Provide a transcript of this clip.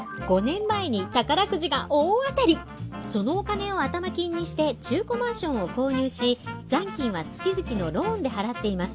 そのお金を頭金にして中古マンションを購入し残金は月々のローンで払っています。